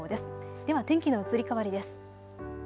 では天気の移り変わりです。